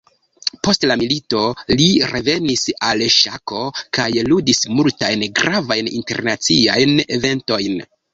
Post la milito, li revenis al ŝako kaj ludis multajn gravajn internaciajn eventojn.